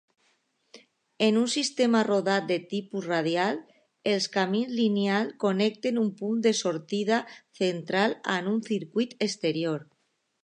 En un sistema rodat de tipus radial, els camins lineals connecten un punt de sortida central amb un circuit exterior.